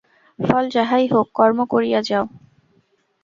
ফল যাহাই হোক, কর্ম করিয়া যাও।